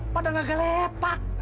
padahal gak kelepak